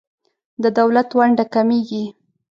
د دولت ونډه کمیږي.